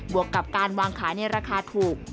วกกับการวางขายในราคาถูก